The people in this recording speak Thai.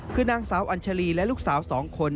คือนางสาวอัญชาลีและลูกสาว๒คน